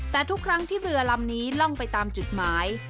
แต่ทุกครั้งที่เรือลำนี้ล่องไปตามจุดหมาย